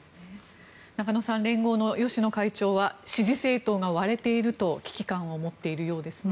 中野さん連合の吉野会長は支持政党が割れていると危機感を持っているようですね。